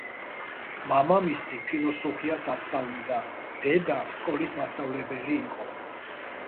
მამამისი ფილოსოფიას ასწავლიდა, დედა სკოლის მასწავლებელი იყო.